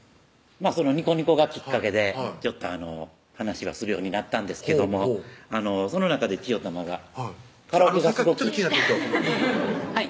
そのニコニコがきっかけでちょっと話はするようになったんですけどもその中でちよたまがさっきからちょっと気になってるんですけどはい